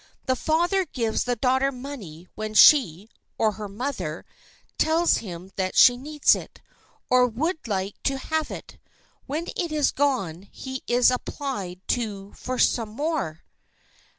The father gives the daughter money when she (or her mother) tells him that she needs it, or would like to have it. When it is gone he is applied to for more.